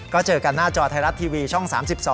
ก็เจอกันหน้าจอไทยรัฐทีวีช่อง๓๒